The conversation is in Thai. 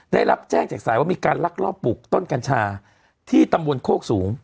ได้รับแจ้งจากสายว่ามีการลักลอบปลูกต้นกัญชาที่ตำบลโคกสูง